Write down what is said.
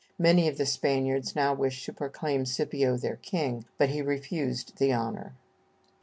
Many of the Spaniards now wished to proclaim Scipio their king, but he refused the honor.